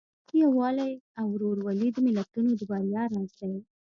یووالی او ورورولي د ملتونو د بریا راز دی.